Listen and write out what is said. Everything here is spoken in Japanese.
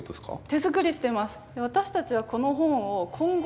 手作りしてます。